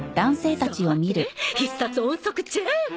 さて必殺音速チェック！